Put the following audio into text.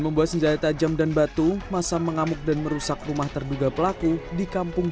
membuat senjata tajam dan batu masa mengamuk dan merusak rumah terduga pelaku di kampung